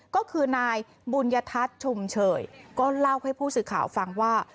ก็คือนายบุญยทัศน์ชุมเฉยก็เล่าให้ผู้สื่อข่าวฟังว่า